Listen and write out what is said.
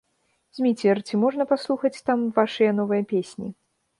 Зміцер, ці можна паслухаць там вашыя новыя песні?